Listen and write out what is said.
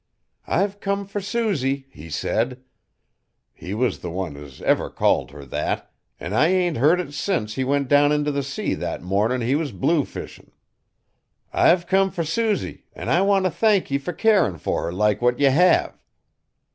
'I've come fur Susy,' he said. He was the only one as ever called her that, an' I ain't heerd it since he went down int' the sea that mornin' he was bluefishin'. 'I've come fur Susy, an' I want t' thank ye fur carin' fur her like what ye have."